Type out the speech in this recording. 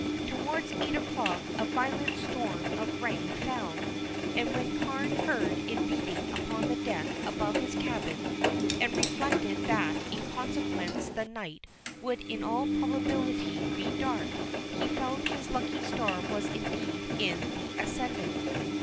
Towards eight o'clock a violent storm of rain fell, and when Carne heard it beating upon the deck above his cabin, and reflected that in consequence the night would in all probability be dark, he felt his lucky star was indeed in the ascendant.